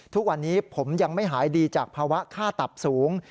ทุกวันนี้ผมยังไม่หายดีจากภาวะค่าตับสูง